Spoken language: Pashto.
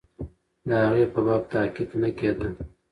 د هغې په باب تحقیق نه کېده.